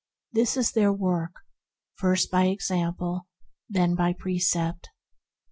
This is their work — first by example, then by precept.